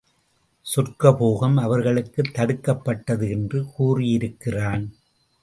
சொர்க்கபோகம் அவர்களுக்குத் தடுக்கப்பட்டது என்று கூறியிருக்கிறான்.